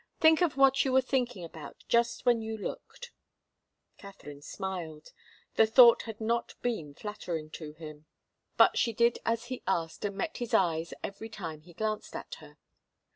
Think of what you were thinking about just when you looked." Katharine smiled. The thought had not been flattering to him. But she did as he asked and met his eyes every time he glanced at her.